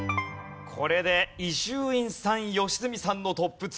これで伊集院さん良純さんのトップ２。